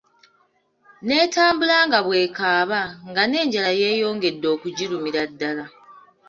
Netambula nga bw'ekaaba, nga n'enjala yeyongede okugirumira ddala.